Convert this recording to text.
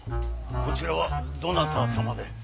こちらはどなた様で？